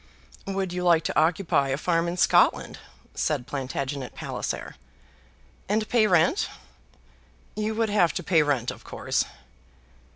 "Would you like to occupy a farm in Scotland?" said Plantagenet Palliser. "And pay rent?" "You would have to pay rent of course."